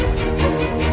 aku mau pergi